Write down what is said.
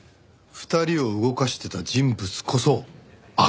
２人を動かしてた人物こそ悪魔。